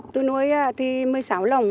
tôi nuôi thì một mươi sáu lồng